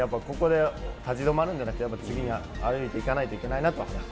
ここで立ち止まるんじゃなくて、次に歩いていかなきゃいけないなと。